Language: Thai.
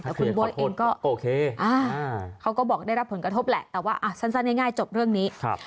แต่คุณบอยเองก็โอเคเขาก็บอกได้รับผลกระทบแหละแต่ว่าสั้นง่ายจบเรื่องนี้